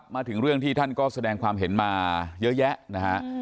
มาถึงเรื่องที่ท่านก็แสดงความเห็นมาเยอะแยะนะฮะ